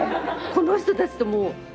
この人たちともう。